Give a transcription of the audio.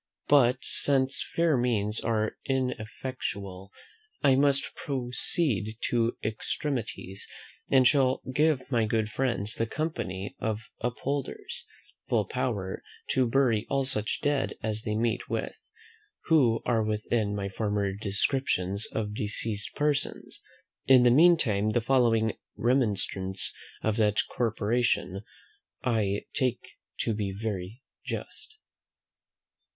But, since fair means are ineffectual, I must proceed to extremities, and shall give my good friends, the Company of Upholders, full power to bury all such dead as they meet with, who are within my former descriptions of deceased persons. In the meantime the following remonstrance of that corporation I take to be very just.